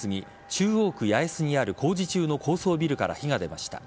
中央区八重洲にある工事中の高層ビルから火が出ました。